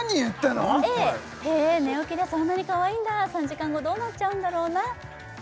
Ａへえ寝起きでそんなにかわいいんだ３時間後どうなっちゃうんだろうなＢ